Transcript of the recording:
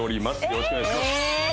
よろしくお願いしますえ